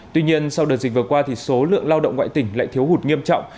tuy nhiên sau đợt dịch vừa qua thì số lượng lao động ngoại tỉnh lại thiếu hụt nghiêm trọng